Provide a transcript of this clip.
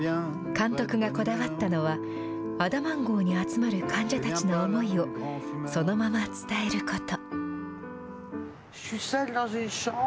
監督がこだわったのは、アダマン号に集まる患者たちの思いを、そのまま伝えること。